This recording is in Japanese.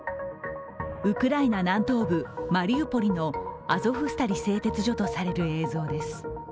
ウクライナ南東部マリウポリのアゾフスタリ製鉄所とされる映像です。